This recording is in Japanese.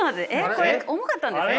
これ重かったんですか？